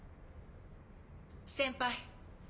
・先輩。